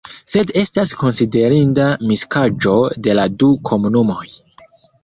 Sed estas konsiderinda miksaĵo de la du komunumoj.